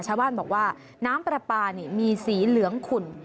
ชาวบ้านบอกว่าน้ำปลาปลามีสีเหลืองขุ่น